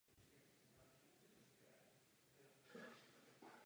Zasloužil se o rozvoj silniční sítě a regulaci vodních toků.